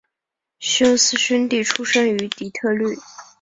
休斯兄弟出生于底特律。